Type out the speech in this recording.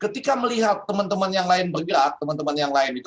ketika melihat teman teman yang lain bergerak teman teman yang lain itu